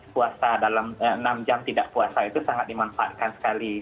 puasa dalam enam jam tidak puasa itu sangat dimanfaatkan sekali